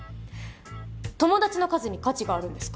友達の数に価値があるんですか？